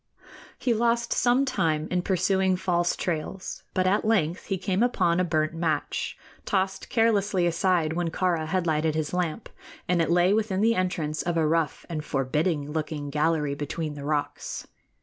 He lost some time in pursuing false trails; but at length he came upon a burnt match, tossed carelessly aside when Kāra had lighted his lamp, and it lay within the entrance of a rough and forbidding looking gallery between the rocks.